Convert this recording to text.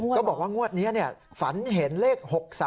ก็บอกว่างวดนี้ฝันเห็นเลข๖๓